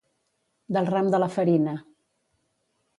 Del ram de la farina.